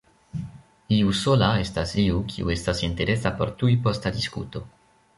Iu sola estas iu, kiu estas interesa por tujposta diskuto.